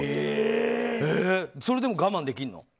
それでも我慢できるの？